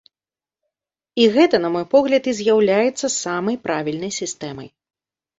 І гэта, на мой погляд, і з'яўляецца самай правільнай сістэмай.